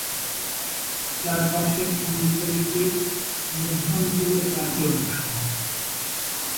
চারপাশের অঞ্চলটি মধ্য অঞ্চলের বাকী অংশ।